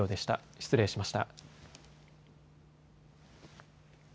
失礼しました。